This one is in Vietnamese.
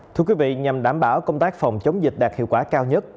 thưa quý vị nhằm đảm bảo công tác phòng chống dịch đạt hiệu quả cao nhất